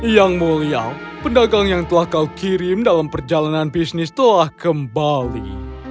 yang mulia pendagang yang telah kau kirim dalam perjalanan bisnis telah kembali